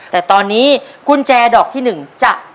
แต่ตอนนี้กุญแจดอกที่๑จะ